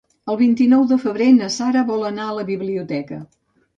El vint-i-nou de febrer na Sara vol anar a la biblioteca.